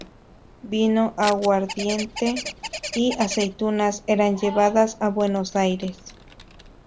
Vino, aguardiente y aceitunas eran llevadas a Buenos Aires.